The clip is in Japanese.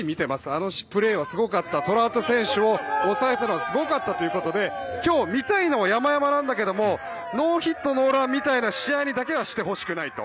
あのプレーはすごかったトラウト選手を抑えたのはすごかったということで今日、見たいのはやまやまだけどノーヒット・ノーランみたいな試合だけにはしてほしくないと。